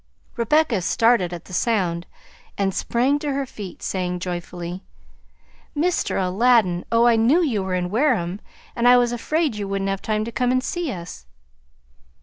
Rebecca started at the sound and sprang to her feet, saying joyfully, "Mr. Aladdin! Oh! I knew you were in Wareham, and I was afraid you wouldn't have time to come and see us."